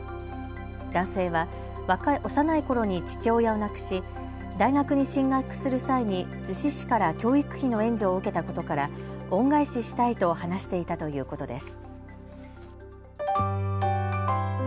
男性は幼いころに父親を亡くし、大学に進学する際に逗子市から教育費の援助を受けたことから恩返ししたいと話していたということです。